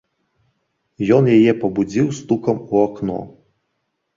Ён яе пабудзіў стукам у акно.